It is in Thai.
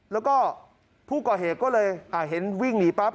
แล้วก็ผู้ก่อเหตุก็เลยเห็นวิ่งหนีปั๊บ